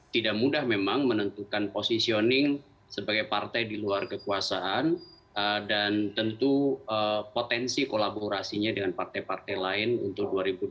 tidak mudah memang menentukan positioning sebagai partai di luar kekuasaan dan tentu potensi kolaborasinya dengan partai partai lain untuk dua ribu dua puluh